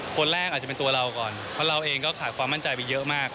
คนแรกอาจจะเป็นตัวเราก่อนเพราะเราเองก็ขาดความมั่นใจไปเยอะมาก